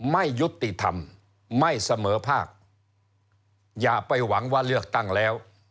ไม่ยุติธรรมไม่เสมอภาคอย่าไปหวังว่าเลือกตั้งแล้ว